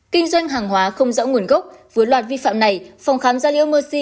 kinh doanh hàng hóa không rõ nguồn gốc với loạt vi phạm này phòng khám gia liễu mercy